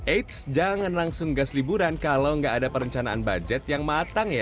eits jangan langsung gas liburan kalau nggak ada perencanaan budget yang matang ya